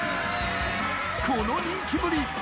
この人気ぶり。